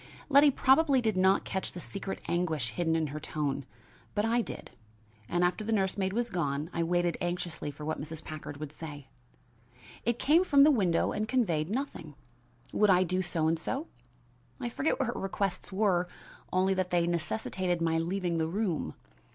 Letty probably did not catch the secret anguish hidden in her tone, but I did, and after the nurse maid was gone, I waited anxiously for what Mrs. Packard would say. It came from the window and conveyed nothing. Would I do so and so? I forget what her requests were, only that they necessitated my leaving the room.